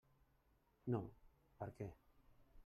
No, per què?